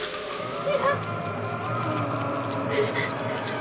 嫌！